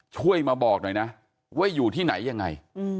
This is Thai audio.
ช่วยมาบอกหน่อยนะว่าอยู่ที่ไหนยังไง